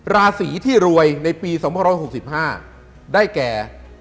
ราศีที่รวยในปี๒๖๕ได้แก่